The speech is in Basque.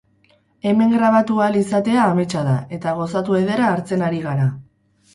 Hemen grabatu ahal izatea ametsa da, eta gozatu ederra hartzen ari gara.